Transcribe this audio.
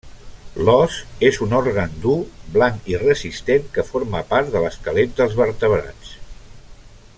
L'os és un òrgan dur, blanc i resistent que forma part de l'esquelet dels vertebrats.